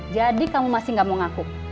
kamu masih gak mau ngaku